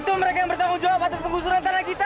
itu mereka yang bertanggung jawab atas penggusuran tanah kita